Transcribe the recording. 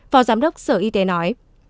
phó giám đốc sở y tế nói